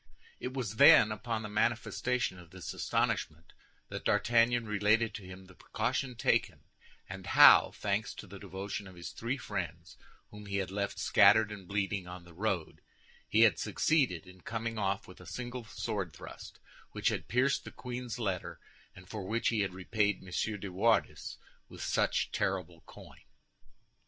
It was then, upon the manifestation of this astonishment, that D'Artagnan related to him the precaution taken, and how, thanks to the devotion of his three friends, whom he had left scattered and bleeding on the road, he had succeeded in coming off with a single sword thrust, which had pierced the queen's letter and for which he had repaid M. de Wardes with such terrible coin.